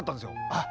あっ。